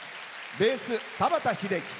ベース、田畑秀樹。